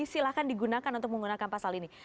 silahkan digunakan untuk menggunakan pasal ini